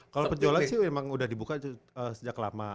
kalau penjualan sih memang sudah dibuka sejak lama